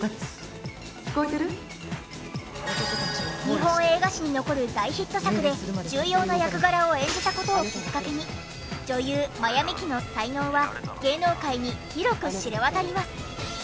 日本映画史に残る大ヒット作で重要な役柄を演じた事をきっかけに女優真矢ミキの才能は芸能界に広く知れ渡ります。